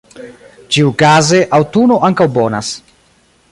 Ĉiukaze, aŭtuno ankaŭ bonas.